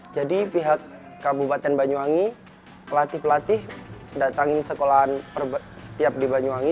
jadi pihak kabupaten banyuwangi pelatih pelatih datangin sekolahan setiap di banyuwangi